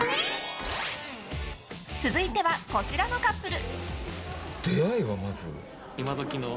続いては、こちらのカップル。